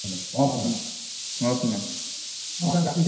রাত্রিবেলা শহরের আকাশে উড়বার অনুমতিপত্র সহকারে।